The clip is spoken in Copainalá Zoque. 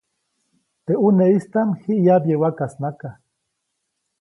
Teʼ ʼuneʼistaʼm jiʼ yabye wakasnaka.